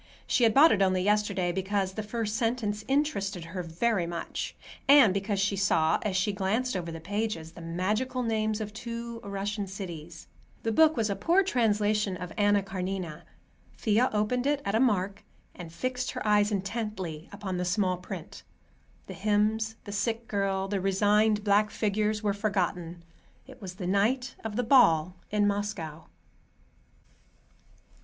She had bought it, only yesterday, because the first sentence interested her very much, and because she saw, as she glanced over the pages, the magical names of two Russian cities. The book was a poor translation of "Anna Karenina." Thea opened it at a mark, and fixed her eyes intently upon the small print. The hymns, the sick girl, the resigned black figures were forgotten. It was the night of the ball in Moscow.